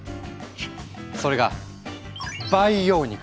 それが培養肉！